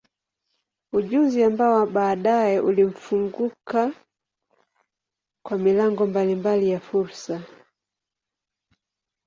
Ujuzi ambao baadaye ulimfunguka kwa milango mbalimbali ya fursa.